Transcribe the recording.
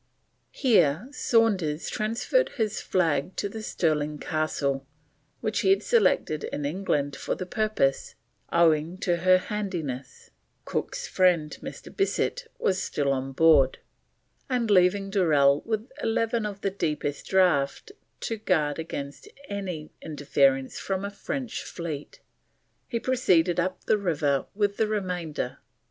Here Saunders transferred his flag to the Stirling Castle, which he had selected in England for the purpose, owing to her handiness (Cook's friend, Mr. Bissett, was still on board), and leaving Durell with eleven of the deepest draught to guard against any interference from a French fleet, he proceeded up the river with the remainder.